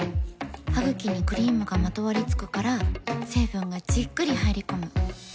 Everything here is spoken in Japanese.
ハグキにクリームがまとわりつくから成分がじっくり入り込む。